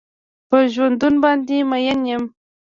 په ژوندون باندې مين يم.